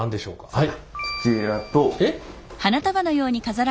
はい。